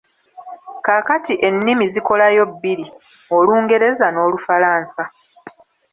Kaakati ennimi zikolayo bbiri: Olungereza n'Olufulansa.